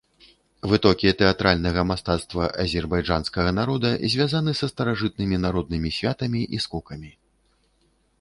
Вытокі тэатральнага мастацтва азербайджанскага народа звязаны са старажытнымі народнымі святамі і скокамі.